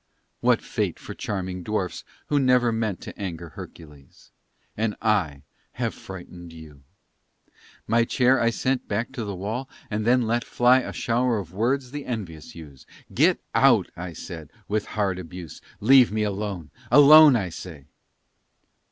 What fate For charming dwarfs who never meant To anger Hercules! And I Have frightened you! My chair I sent Back to the wall, and then let fly A shower of words the envious use "Get out," I said, with hard abuse, "Leave me alone alone I say."